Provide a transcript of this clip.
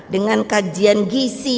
dengan kajian gisi